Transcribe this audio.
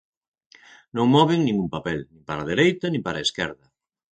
Non moven nin un papel, nin para a dereita nin para a esquerda.